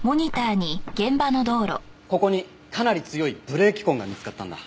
ここにかなり強いブレーキ痕が見つかったんだ。